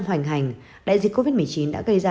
hoành hành đại dịch covid một mươi chín đã gây ra